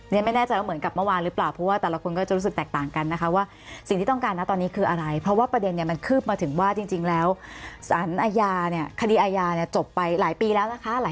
เนี่ยไม่แน่ใจว่าเหมือนกับเมื่อวานหรือเปล่าเพราะว่าแต่ละคนก็จะรู้สึกแตกต่างกันนะคะ